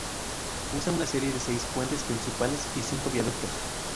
Usa una serie de seis puentes principales y cinco viaductos.